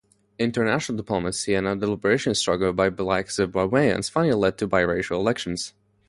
International diplomacy and a liberation struggle by Black Zimbabweans finally led to biracial elections